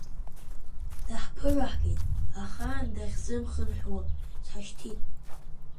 Даҳԥыраагеит, ахаан дахьзымхынҳәуа дҳашьҭит…